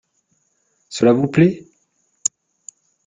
Cela vous plait ?